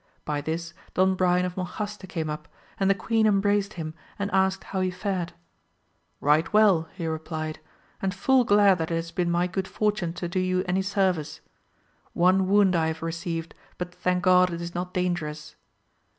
By this Don Brian of Monjaste came up,^and the queen embraced him and asked how he fared ? Eight well, he replied, and full glad that it has been my good fortune to do you any service; one wound I have received, but thank God it is not dangerous.